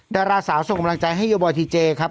ดาราสาวส่งกำลังใจให้โยบอยทีเจครับ